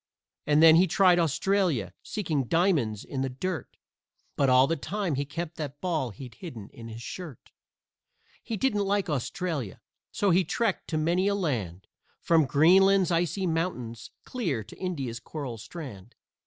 And then he tried Australia, seeking diamonds in the dirt, But all the time he kept that ball he'd hidden in his shirt. He didn't like Australia, so he trekked to many a land, From Greenland's icy mountains clear to India's coral strand.